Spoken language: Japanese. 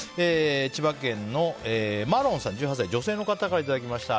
千葉県の１８歳、女性の方からいただきました。